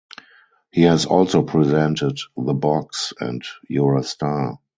He has also presented "The Box" and "You're a Star".